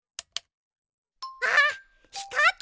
あっひかった！